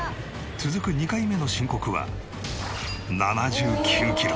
続く２回目の申告は７９キロ。